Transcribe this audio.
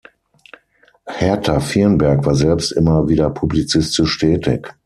Hertha Firnberg war selbst immer wieder publizistisch tätig.